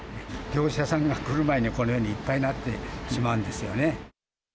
業者さんが来る前に、このようにいっぱいになってしまうんですよね。